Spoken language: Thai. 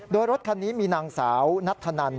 โดยรถคันนี้มีนางสาวนัทธนัน